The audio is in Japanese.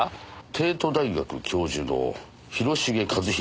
帝都大学教授の広重和弘さんですね。